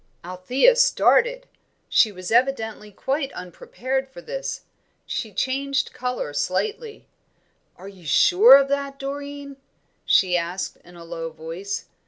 Althea started; she was evidently quite unprepared for this. She changed colour slightly. "Are you sure of that, Doreen?" she asked, in a low voice.